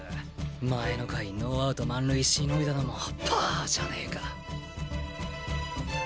前の回ノーアウト満塁しのいだのもパーじゃねえか。